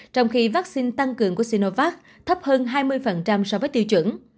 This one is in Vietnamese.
trong khi vaccine tăng cường của sinovat thấp hơn hai mươi so với tiêu chuẩn